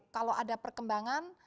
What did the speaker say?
kalau ada perkembangan